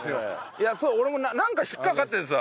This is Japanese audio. いやそう俺もなんか引っかかっててさ。